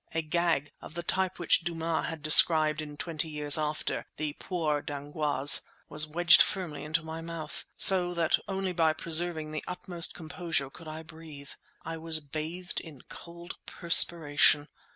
A gag, of the type which Dumas has described in "Twenty Years After," the poire d'angoisse, was wedged firmly into my mouth, so that only by preserving the utmost composure could I breathe. I was bathed in cold perspiration.